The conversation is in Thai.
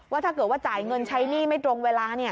ถ้าเกิดว่าจ่ายเงินใช้หนี้ไม่ตรงเวลา